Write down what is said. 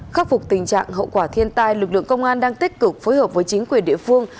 khắc phục tình trạng hậu quả thiên tai lực lượng công an đang tích cực phối hợp với chính quyền địa phương